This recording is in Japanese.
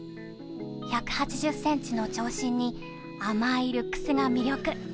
１８０ｃｍの長身に甘いルックスが魅力。